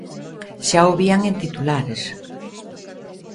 Xa o vían en titulares.